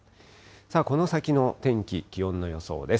この先の天気、気温の予想です。